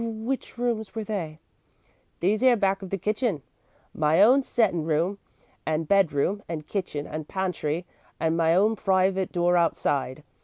"Which rooms were they?" "These 'ere, back of the kitchen. My own settin' room and bedroom and kitchen and pantry and my own private door outside.